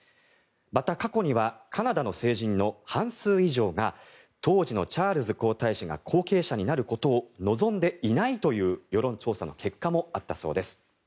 また、過去にはカナダの成人の半数以上が当時のチャールズ皇太子が後継者になることを望んでいないという世論調査の結果もあったそうです。